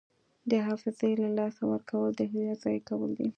د حافظې له لاسه ورکول د هویت ضایع کول دي.